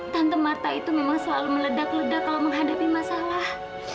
tante mata itu memang selalu meledak ledak kalau menghadapi masalah